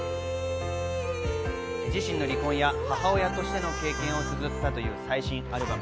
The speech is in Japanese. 自身の離婚や母親としての経験をつづったという最新アルバム。